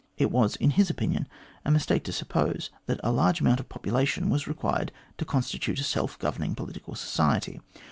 It was, in his opinion, a mistake to suppose that a large amount of population was required to constitute a self governing political society.